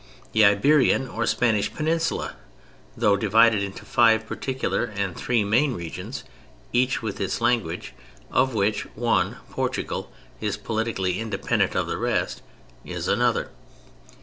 The Iberian or Spanish Peninsula (though divided into five particular, and three main, regions, each with its language, of which one, Portugal, is politically independent of the rest) is another.